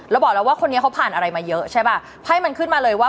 บอกแล้วว่าคนนี้เขาผ่านอะไรมาเยอะใช่ป่ะไพ่มันขึ้นมาเลยว่า